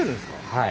はい。